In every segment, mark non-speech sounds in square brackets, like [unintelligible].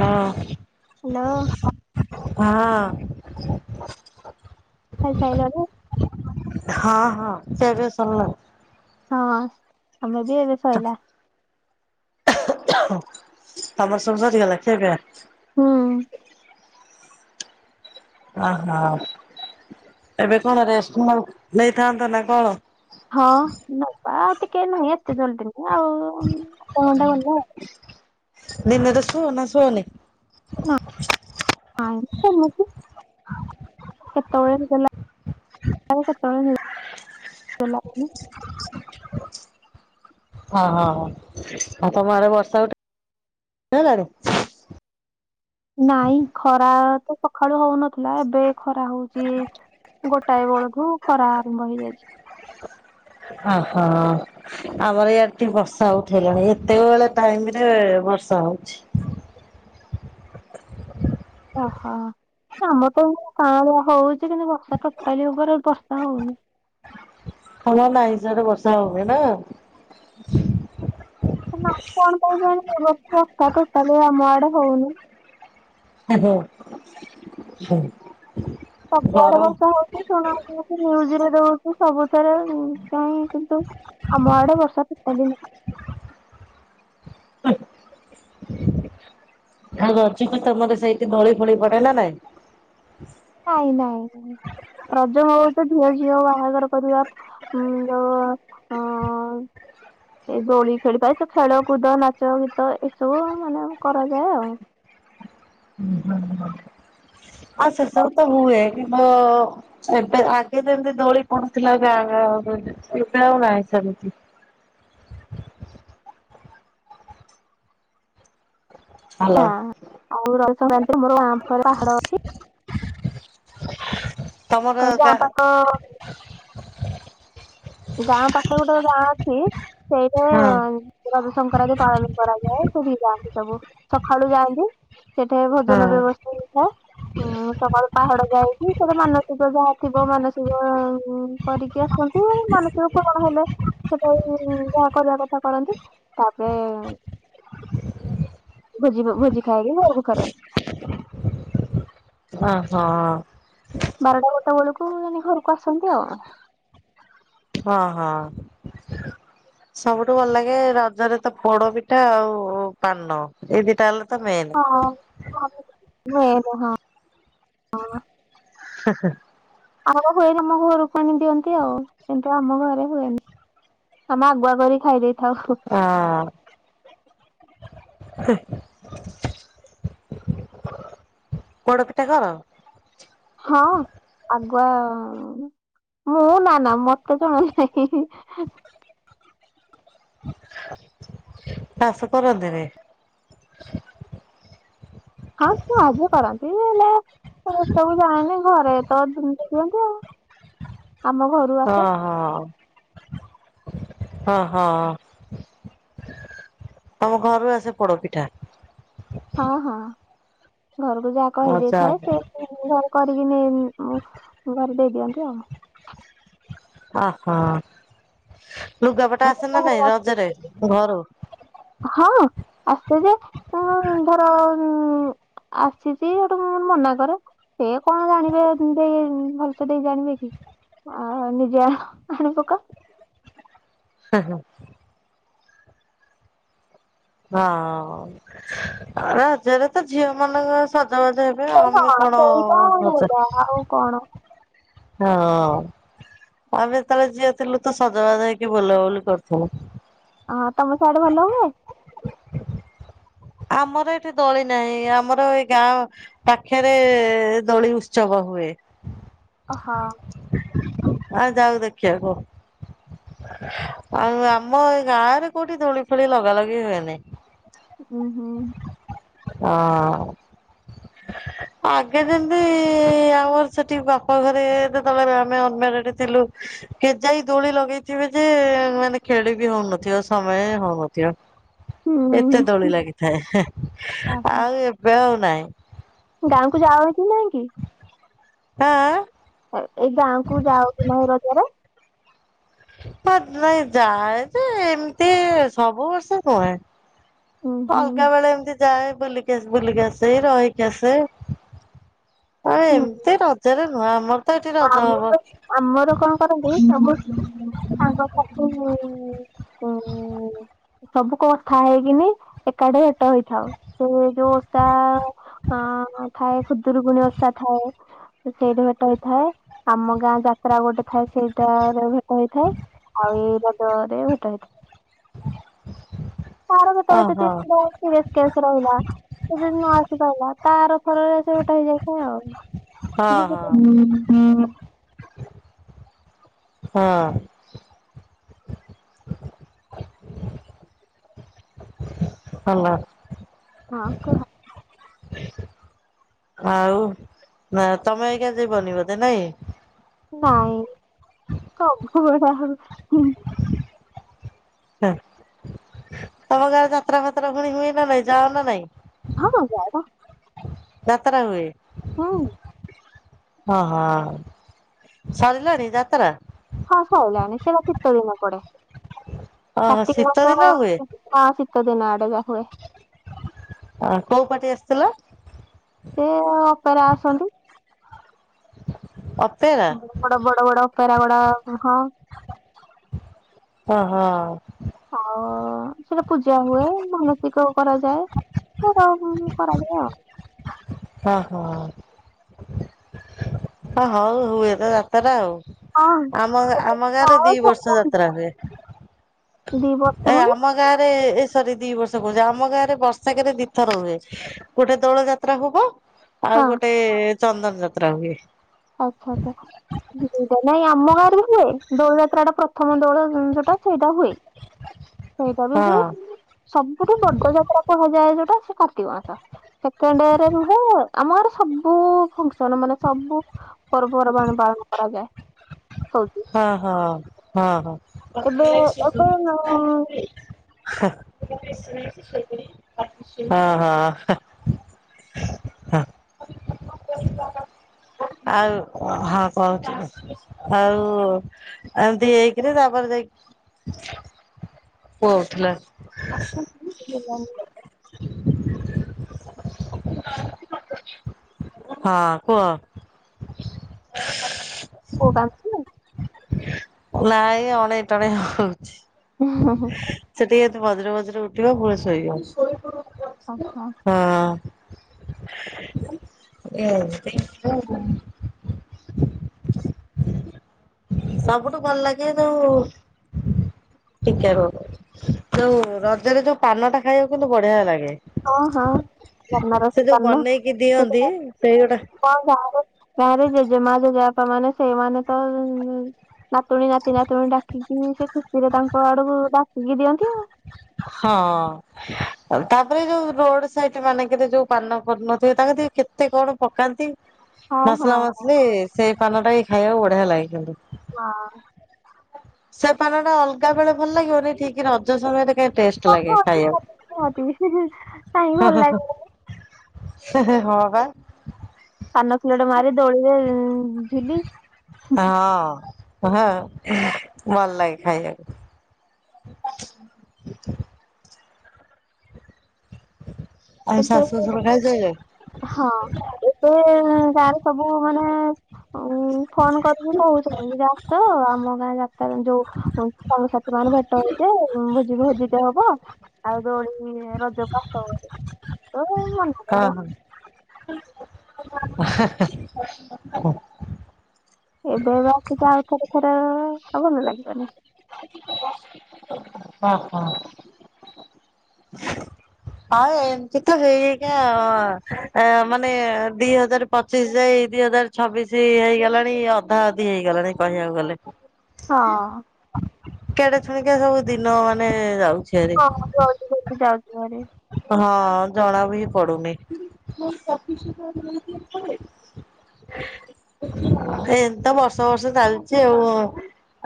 ହଁ। ହାଲୋ। ହଁ। ଖାଇ ସାଇଲଣି? ହଁ ହଁ ଖିଆପିଆ ସଲାଣି। ହଁ ଆମେ ବି ଏବେ ଶଇଲା। ତମର ସବୁ ସରିଗଲା ଖିଆ ପିଆ? ହଁ। ଓହୋ ଏବେ କଣ ରେଷ୍ଟ ନ ନେଇଥାନ୍ତ ନା କଣ? ହଁ ନବା ଆଉ ଟିକେ ନୁଏ ଏତେ ଜଲଦିି ନୁଏ ଆଉ ଅ ଘଣ୍ଟା ଗଲେ। ଦିନେରେ ଶୁଅ ନା ଶୁଅନି? କାଇଁ ସେମିତି। କେତେଳେ ନିଦ ଯାଏ କେତେ ନିଦ ଲାଗେନି। ହଁ ହଁ ହ ଆଉ ତମ ଆଡ଼େ ବର୍ଷା ଉଟେ ଇଲାଣି? ନାଇଁ ଖରା ତ ସକାଳୁ ହଉନ ଥିଲା ଏବେ ଖରା ହୋଉଚି ଗୋଟାଏ ବେଳଠୁ ଖରା ଆରମ୍ଭ ହେଇଯାଇଛି। ହ ହୋ। ଆମର ଇଆଡ଼େ ଟିକେ ବର୍ଷା ଉଠେଇଲାଣି ଏତେବେଳେ ଟାଇମ୍ ରେ ବର୍ଷା ହୋଉଚି। ଓହୋ। ଆମର ତ ଏଇ କାଁଳିଆ ହଉଛି କିନ୍ତୁ ବର୍ଷା ଟୋଟାଲି ଓପରେ ବର୍ଷା ହଉନି। ଖରା ନାଇଁ ସିଆଡ଼େ ବର୍ଷା ହୁଏନା। ନା କଣ ପାଇଁ କେଜାଣି [unintelligible] ବର୍ଷା ଟୋଟାଲି ଆମ ଆଡ଼େ ହୋଉନି। [unintelligible] ସବୁ ଆଡ଼େ ଗରମ ବର୍ଷା ହଉ [unintelligible] ନ୍ୟୁଜ୍ ରେ ଦଉଚି ସବୁଥିରେ କାଇଁ କିନ୍ତୁ ଆମ ଆଡ଼େ ବର୍ଷା ଟୋଟାଲି ନା ଆଉ ରଜକୁ ତମର ସେଇଠି ଦୋଳି ଫୋଳି ପଡ଼େ ନା ନାଇଁ? ନାଇଁ ନାଇଁ ନାଇଁ ରଜ ବଉତ ଝିଅ ଝିଅ ବାହାଘର କରିବା ଉଁ ଯୋଉ ଅଁ ଏଇ ଦୋଳି ଖେଳିବା ଏଇ ସ ଖେଳକୁଦ ନାଚ ଗୀତ ଏସବୁ ମାନେ କରାଯାଏ ଆଉ। ହୁଁ ହୁଁ ହଁ। ଆ ସେ ସବୁ ତ ହୁଏ କିନ୍ତୁ ଏବେ ଆଗେ ଯେମିତି ଦୋଳି ପଡ଼ୁଥିଲା ଏବେ ଆ ଏବେ ଆଉ ନାଇଁ ସେମିତି। ହ୍ୟାଲୋ ନା ଆଉ ରଜ ସଂକ୍ରାନ୍ତିରେ ମୋର ଗାଁ ପାଖରେ ପାହାଡ ଅଛି। କହିଲି ଗାଁ ପାଖ ଗାଁ ପାଖରେ ଗୋଟେ ଗାଁ ଅଛି ସେଇଠେ ହଁ ରଜ ସଂକ୍ରାନ୍ତି ପାଳନ କରାଯାଏ ସେଇଠି କି ଯାଆନ୍ତି ସବୁ ସକାଳୁ ଯାଆନ୍ତି ସେଠେ ହଁ ଭୋଜନ ବ୍ୟବସ୍ଥା ହେଇଥାଏ। ହୁଁ ସକାଳୁ ପାହାଡ ଯାଇକି ସେଠେ ମାନସିକ ଯାହା ଥିବ ମାନସିକ କରିକି ଆସ ଚନ୍ତି। ମାନସିକ ପୁରଣ ହେଲେ ସେଠେଇ ଯାହା କରିବା କଥା କରନ୍ତି ତାପରେ [inaudible] ଭୋଜି ବ ଭୋଜି ଖାଇକି ଘରକୁ ଫେରନ୍ତି। ହଁ ହଁ। ବାରଟା ଗୋଟେ ବେଳକୁ ଏମିତି ଘରକୁ ଆସନ୍ତି ଆଉ। ହଁ ହଁ। ସବୁଠୁ ଭଲ ଲାଗେ ରଜରେ ତ ପୋଡ ପିଠା ଆଉ ପାନ ଏଇ ଦିଟା ହେଲା ତ ମେନ୍। ହଁ ମେନ୍ ହଁ ହଁ। ହେଁ ହେଁ। ଆଉ ହୁଏରେ ଆମ ଘରକୁ ଆଣିଦିଅନ୍ତି ଆଉ କିନ୍ତୁ ଆମ ଘରେ ହୁଏନି। ଆମେ ଆଗୁଆ କରି ଖାଇ ଦେଇ ହଁ ହେଁ। ପୋଡ ପିଠା କର? ହଁ ଆଗୁଆ ମୁଁ ନା ନା ମତେ ଜମା ବି ନାହିଁ ହିଁ ହିଁ ହିଁ। ଶାଶୁ କରନ୍ତିନି? ହଁ ସେ ଆଗେ କରନ୍ତି ହେଲେ ଏସବୁ ଜାଣିନି ଘରେ ତ ଦିଅନ୍ତି ଆଉ ଆମ ଘରୁ ଆସେ ଓହୋ ହଁ ହଁ। ତମ ଘରୁ ଆସେ ପୋଡପିଠା? ହଁ ହଁ ଘରକୁ ଯାହା କହି ଆଚ୍ଛା। ଦେଇଥାଏ ସେ ଘରେ କରିକି ନେଇ ଉଁ ଘରେ ଦେଇଦିଅନ୍ତି ଆଉ। ଓହୋ ଲୁଗାପଟା ଆସେ ନା ନାଇଁ ରଜରେ ଘରୁ? ହଁ ଆସେ ଯେ ଉଁ ଧର ଉଁ ଆସିଛି ହେଠୁ ମୁଁ ମନା କରେ। ସେ କଣ ଜାଣିବେ ଦେଇ ଭଲସେ ଦେଇ ଜାଣିବେ କି? ଅ ହଁ ନିଜେ ଆ ଆଣିପକା। ହୁଁ ହୁଁ। ହଁ ରଜରେତ ତ ଝିଅ ମାନଙ୍କ ସ ସଜବାଜ ହେବେ ସେ ଆମେ ହଁ କଣ ସେଇଟା ପ୍ରଚା, ସେଇଟା ଆଉ କଣ ହଁ। ଆମେ ଯେତେବେଳେ ଝିଅ ଥିଲୁ ତ ସଜବାଜ ହେଇକି ବୁଲାବୁଲି କରୁଥିଲୁ। ହଁ ତମ ସିଆଡେ ଭଲ ହୁଏ? ଆମର ଏଠି ଦୋଳି ନାହିଁ ଆମର ଏଇ ଗାଁ ପାଖେରେ ଦୋଳି ଉତ୍ସବ ହୁଏ। ଓ ହଁ। ଆଉ ଯାଉ ଦେଖିବାକୁ। ଆଉ ଆମ ଏଇ ଗାଁରେ କୋଉଠି ଦୋଳି ଫୋଳି ଲଗା ଲଗି ହୁଏନାହିଁ। ଉଁ ହୁଁ। ହଁ। ଆଗେ ଯେମିତି-ଇ-ଇ-ଇ-ଇ ଆମର ସେଠି ବାପ ଘରେ ଯେତେବେଳେ ଆମେ ଅନମ୍ୟାରେଡ୍ ଥିଲୁ କେଜାଇ ଦୋଳି ଲଗେଇ ଥିବେ ଯେ-ଏ-ଏ ମାନେ ଖେଳି ବି ହଉନଥିବ ସମୟ ହିଁ ହଉନଥିବ। ଏତେ ଦୋଳି ଲାଗିଥାଏ ହେଁ ହୁଁ ଆଉ ଏବେ ଆଉ ନାହିଁ। ଗାଁକୁ ଯାଅ କି ନାହିଁ କି? ଆଁ ଆଁ? ଏ ଏଇ ଗାଆଁକୁ ଯାଅ କି ନାହିଁ ରଜରେ? ହଁ ନାଇଁ ଯାଏ ଯେ ଏମିତି ସବୁ ବର୍ଷ ନୁହେଁ। ହୁଁ ହୁଁ ଅଲଗା ବେଳେ ଏମିତି ଯାଏ ବୁଲିକି ଆସ୍ ବୁଲିକି ଆସେ ରହିକି ଆସେ। ଆଉ ହୁଁ ଏମିତି ରଜରେ ନୁହେଁ ଆମର ତ ଏଠି ରଜ ହବ। ଆମର ଆମର କଣ କରନ୍ତି ସବୁ ସାଙ୍ଗସାଥି ଉଁ ଉଁ-ଉଁ ସବୁ କଥା ହେଇକିନି ଏକାଠି ଭେଟ ହେଇଥାଉ ସେ ଯୋଉ ତ ଅଁ ଥାଏ ଖୁଦୁରୁକୁଣି ଓଷା ଥାଏ ସେଇଟି ଭେଟ ହେ ଥାଏ, ଆମ ଗାଁ ଯାତ୍ରା ଗୋଟେ ଥାଏ ସେଇଟାରେ ଭେଟ ହେଇଥାଏ। ଆଉ ଏଇ ରଜରେ ଭେଟ ହେଇଥାଏ। କାହାର ଭେଟ ହୁଏ ଓହୋ ସେଠି ଯାଏ। ସିରିଏସ୍ କେସ୍ ରହିଲା ସେ ଯଦି ନ ଆସି ପାଇଲା ତାର ଫେରେ ଯୋଉଟା ହେଇଯାଏ। ଏମିତି ଆଉ, ହଁ ହଁ ଯେ [inaudible] ହଁ। ଭଲ। ହଁ କୁହ। ଆଉ ନା ତମେ ଆଜ୍ଞା ଯିବନି ବୋଧେ ନାଇଁ? ନାଇଁ ସବୁ ବେଳେ ଆଉ ହୁଁ ତମ ଗାଆଁରେ ଯାତ୍ରା ଫାତ୍ରା ପୁଣି ହୁଏ ନା ନାଇଁ, ଯାଅ ନା ନାଇଁ? ହଁ ଯାଏ ପା। ଯାତ୍ରା ହୁଏ? ହୁଁ। ହଁ ହଁ, ସରିଲାଣି ଯାତ୍ରା? ହଁ ସଇଲାଣିି, ସିଏପା ଶୀତ ଦିନେ ପଡେ, ଓହୋ କାର୍ତ୍ତିକ ଶୀତ ମାସ ଦିନ ହୁଏ ହଁ ଶୀତ ଦିନେ ଆଡେକା ହୁଏ। ଆ କୋଉ ପାଟି ଆସିଥିଲା? ସେ ଅପରା ଆସନ୍ତି। ଅପେର୍ ବଡ-ବଡ-ବଡ, ଅପେରାଗୁଡା ହଁ। ହ ହଁ। ଆଉ ସେଠି ପୂଜା ହୁଏ ମାନସିକ କରାଯାଏ। [unintelligible] କରାଯାଏ ଆଉ। ହଁ ହଁ। ହ ହଉ ହୁଏ ତ ଯାତେରା ଆଉ। ଆଉ ଆମ, ହଁ। ଆମ ଗାଆଁରେ ଦି ପ୍ରାୟ ବର୍ଷ ସବୁ କିଛି ଯାତ୍ରା ହୁଏ। ଦି ବର୍ଷ ଏ ମାନେ ହଁ ଆମ ଗାଆଁରେ ଏ ସରି ଦି ବର୍ଷ କହୁଛି ଆମ ଗାଆଁରେ ବର୍ଷେକେରେ ଦି ଥର ହୁଏ। ଗୋଟେ ଦୋଳ ଯାତ୍ରା ହବ ଆଉ ଗୋଟେ ଚନ୍ଦନ ଯାତ୍ରା ହୁଏ। ଆଚ୍ଛା-ଆଛା। ଦିଟା ନାଇଁ ଆମ ଗାଆଁରେ ବି ହୁଏ, ଦୋଳ ଯାତ୍ରାଟା ପ୍ରଥମ ଦୋଳ ଯୋଉଟା ସେଇଟା ହୁଏ। [unintelligible] ସେଇଟା ବି ହୁଏ ହଁ କିନ୍ତୁ ସବୁଠୁ ବଡ ଯାତ୍ରା କୁହାଯାଏ। ଯୋଉଟା ସେଟା କାର୍ତ୍ତିକ ମାସ। ସେକଣ୍ଡରେ ରୁହେ। ଆମ ଗାଁରେ ସବୁ ଫଙ୍କସନ ମାନେ ସବୁ ପର୍ବପର୍ବାଣି ପାଳନ କରାଯାଏ ହୋଉଚି। ହଁ ହଁ ହଁ ହଁ। ଏବେ ଆପଣ [unintelligible] [unintelligible] ହଁ ହଁ। ଆଉ ହଁ କୋହୁଥିଲେ ଆଉ ଏମିତି ହେଇକିରି ତାପରେ ଯାଇକି କୋଉଥିଲେ। [unintelligible] ହଁ କୁହ। ପୁଅ କାନ୍ଦୁଚି। ନାଇଁ ଅଣେଇ ଟଣେଇ ହୋଉଚି। ଉଁ ହୁଁ ହୁଁ। ସେ ଟିକେ ମଝିରେ ମଝିରେ ଉଠିବ ପୁଣି ଶୋଇବ ଆଚ୍ଛା ହଁ। ଏ ସବୁଠୁ ଭଲ ଲାଗେ ଯୋଉ ଟିକେ ରୁହ ଯୋଉ ରଜରେ ଯୋଉ ପାନଟା ଖାଇବୁ କିନ୍ତୁ ବଢିଆ ଲାଗେ। ହଁ ହଁ ସେ ବନାରସୀ ଯୋଉ ବନେଇକି ଦିଅନ୍ତି। ସେଇ ଗୁଡା ହଁ ଯାହା ହେଲେ ଯା ହେଲେ ଜେଜେମା ଜେଜେବାପାମାନେ ସେଇ ମାନେ ତ ଉଁ ନାତୁଣୀ ନାତି ନାତୁଣୀ ଡାକିକି ସେ ଖୁସିରେ ତାଙ୍କ ଆଡୁକ ଡାକିକି ଦିଅନ୍ତି ଆଉ। ହଁ। ତାପରେ ଯୋଉ ରୋଡ୍ ସାଇଟି ମାନଙ୍କରେ ଯୋଉ ପାନ କରୁନଥିବେ ତାଙ୍କ [unintelligible] କେତେ କଣ ପକାନ୍ତି। ଆଉ। ହଁ ମସଲା ହଁ। ମସଲି ସେଇ ପାନଟା ହିଁ ଖାଇବାକୁ ବଢିଆ ଲାଗେ କିନ୍ତୁ। [unintelligible] ସେ ପାନଟା ଅଲଗା ବେଳେ ଭଲ ଲାଗିବନି ଠିକ୍ ର ଜ ସମୟରେ କାଇଁ ଟେଷ୍ଟ ଲାଗେ ଖାଇବାକୁ। କୁହତି [unintelligible] କାହିଁକି ଭଲ ଲାଗେ। ହେଁ ହେଁ ହଁ ପା। କାନ ଖିଲଟେ ମାରି ଦୋଳିରେଏଁ ଉଁ ହଁ ହଁ ଏହେଁ ଭଲ ଲାଗେ ଖାଇବାକୁ। [inaudible] ଆହେ ଶାଶୁ କେତେ ଶସୁର ଖାଇସାରିଲେଣୀ? ହଁ ଏବେ ଗାଁରେ ସବୁ ମାନେ ଉଁ ଫୋନ୍ କରିକି କୋହୁଚନ୍ତି। ମୁଁ ଯା ତ ଆମ ଗାଁ ଯାତ ଯୋଉ ହୋଉ ସାଙ୍ଗସାଥି ମାନେ ଭେଟ ହୋଉଥିବେ ଭୋଜି ଭୋଜିଟେ ହବ। ଆଉ ଦୋଳି ରଜକୁ ଆସୁଚ ବୋଧେ। ଓ ମାଇଁ [unintelligible] ହଁ ହଁ। [unintelligible] ଏବେ ଏବେ ରଖିଥା [unintelligible] ଆଉ ଥରେ ଥରେ ହବ ହବନି ଲାଗିବନି। ହଁ ହଁ। ଆଉ ଏମିତି ତ ହେଇ ହେଇକା ମାନେ ଦିହଜାରେ ପଚିଶ ଯାଇ ଦିହଜାରେ ଛବିଶ ଏଇ ହେଇଗଲାଣି ଅଧା ଅଧି ହେଇଗଲାଣି କହିବାକୁ ଗଲେ। ହଁ। କେଡେ ସୁଣିକା ସବୁ ଦିନ ମାନେ ଯାଉଚି ଆ [unintelligible] ଯାଉଛି ଭାରି। ହଁ ଜଣା ବି ପଡୁନି। ଏମିତ ବର୍ଷ ବର୍ଷ ଚାଲିଚି ଆଉ।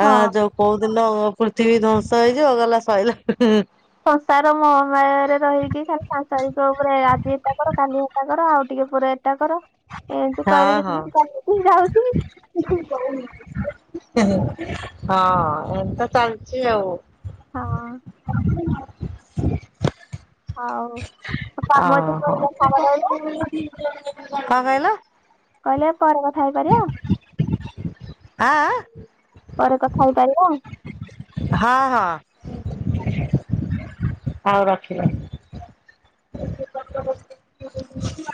ଆ ହଁ ଯୋଉ କୋଉ ଦିନ ପୃଥିବୀ ଧ୍ଵଂସ ହେଇଯିବ ଅ ଗଲା ସଇଲା। ସଂସାର ମହୋମାୟାରେ ରହିକି ଖାଲି ସାଂସାରିକ ଉପରେ ଆଜି ଏଟା କର କାଲି ହେ ଟା କର ଆଉ ଟିକେ ପରେ ଏଟା କର ଏମତି ହଁ ହଁ କରିକି ଚାଲିଛି ଯାଉଛି। ହଁ ଏମତି ତ ଚାଲିଛି ଆଉ। ହଁ। ଆଉ ଓହୋ କଣ କହିଲ? କହିଲେ ପରେ କଥା ହେଇପାରିବ? ଆଁ ଆଁ ପରେ କଥା ହେଇପାରିବା? ହଁ ହଁ। ହୋଉ ରଖିଦେ।